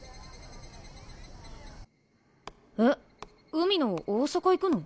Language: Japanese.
海野大阪行くの？